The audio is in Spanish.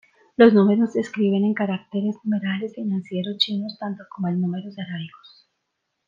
Los números se escriben en caracteres numerales financieros chinos tanto como en números arábigos.